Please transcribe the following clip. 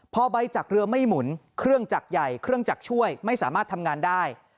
พอใบจักรเรือไม่หมุนเครื่องจักรใหญ่เครื่องจักรช่วยไม่สามารถทำงานได้